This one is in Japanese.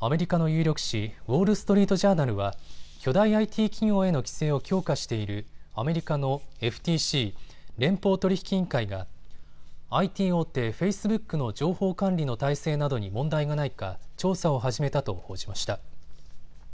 アメリカの有力紙、ウォール・ストリート・ジャーナルは巨大ＩＴ企業への規制を強化しているアメリカのＦＴＣ・連邦取引委員会がＩＴ大手、フェイスブックの情報管理の体制などに問題がないか調査を始めたと報じました。